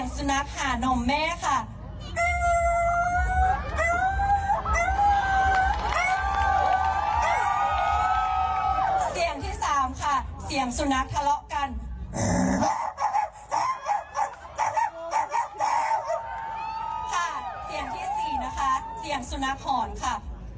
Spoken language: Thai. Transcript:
เสียงที่๔นะคะเสียงสุนัขหอนค่ะ